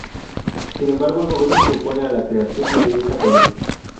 Sin embargo, el gobierno se opone a la creación de esta colonia.